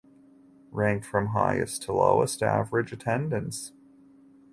Ranked from highest to lowest average attendance.